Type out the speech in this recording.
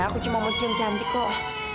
aku cuma mau cinta cantik kok